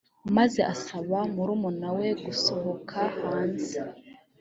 maze asaba murumuna we gusohoka hanze